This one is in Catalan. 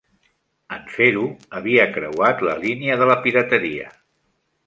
En fer-ho, havia creuat la línia de la pirateria.